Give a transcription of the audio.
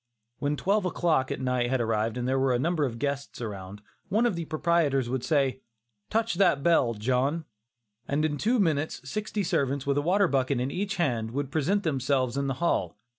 When twelve o'clock at night had arrived and there were a number of guests around, one of the proprietors would say, "Touch that bell, John"; and in two minutes sixty servants with a water bucket in each hand, would present themselves in the hall.